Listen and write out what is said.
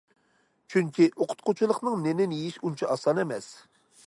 چۈنكى ئوقۇتقۇچىلىقنىڭ نېنىنى يېيىش ئۇنچە ئاسان ئەمەس.